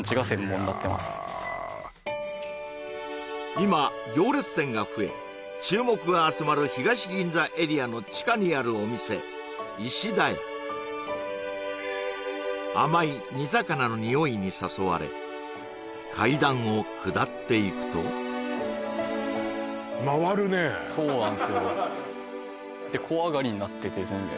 今行列店が増え注目が集まる東銀座エリアの地下にあるお店甘い煮魚の匂いに誘われ階段を下っていくとそうなんですよで小上がりになっててですね